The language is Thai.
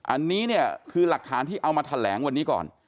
อันนี้เนี่ยคือหลักฐานที่เอามาแถลงวันนี้ก่อน